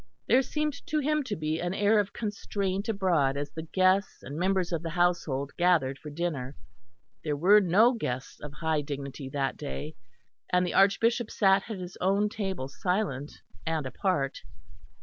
There seemed to him to be an air of constraint abroad as the guests and members of the household gathered for dinner. There were no guests of high dignity that day, and the Archbishop sat at his own table silent and apart.